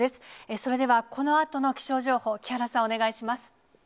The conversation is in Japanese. それでは、このあとの気象情報、木原さん、お願いします。